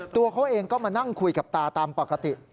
ตัวเขาเองก็มานั่งคุยกับตาตามปกติ